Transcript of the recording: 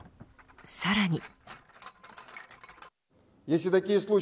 さらに。